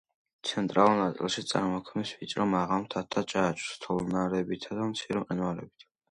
ცენტრალურ ნაწილში წარმოქმნის ვიწრო, მაღალ მთათა ჯაჭვს თოვლნარებითა და მცირე მყინვარებით.